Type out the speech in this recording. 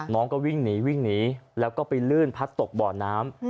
น้องก็วิ่งหนีวิ่งหนีแล้วก็ไปลื่นพัดตกบ่อน้ำ